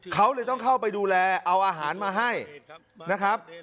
เขาเลยต้องเข้าไปดูแลเอาอาหารมาให้นะครับ